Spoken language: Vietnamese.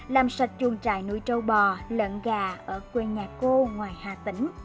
làm sạch chuồng trại nuôi trâu bò lợn gà ở quê nhà cô ngoài hà tĩnh